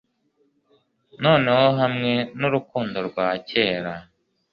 Noneho hamwe nurukundo rwa kera